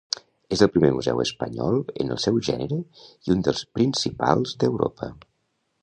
És el primer museu espanyol en el seu gènere i un dels principals d'Europa.